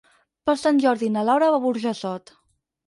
Per Sant Jordi na Laura va a Burjassot.